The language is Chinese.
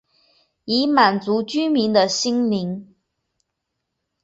以满足居民的心灵